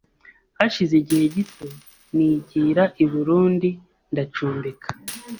Hashize igihe gito nigira I Burundi ndacumbika